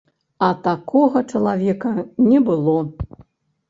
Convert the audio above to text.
А такога чалавека не было.